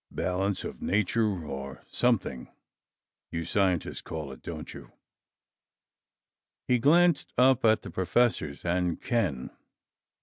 "Balance of nature, or something, you scientists call it, don't you?" He glanced up at the professors and Ken.